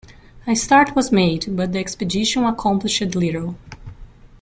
A start was made, but the expedition accomplished little.